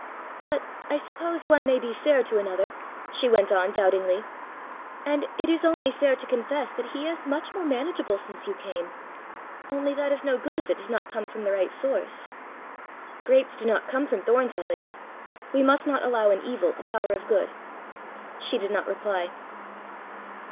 "But I suppose one may be fair to another!" she went on, doubtingly, " and it is only fair to confess that he is much more manageable since you came. Only that is no good if it does not come from the right source." "Grapes do not come from thorns, my lady. We must not allow in evil a power of good." She did not reply.